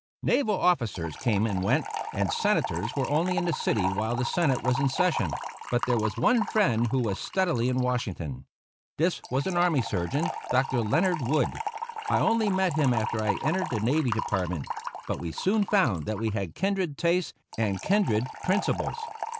Naval officers came and went, and Senators were only in the city while the Senate was in session; but there was one friend who was steadily in Washington. This was an army surgeon, Dr. Leonard Wood. I only met him after I entered the navy department, but we soon found that we had kindred tastes and kindred principles.